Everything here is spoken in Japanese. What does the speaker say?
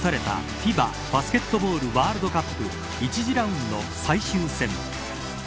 ＦＩＢＡバスケットボールワールドカップ１次ラウンド最終戦。